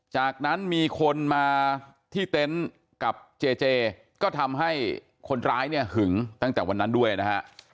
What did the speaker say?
จากนั้นมีคนมาที่เต็นต์กับเจเจก็ทำให้คนร้ายเนี่ยหึงตั้งแต่วันนั้นด้วยนะฮะ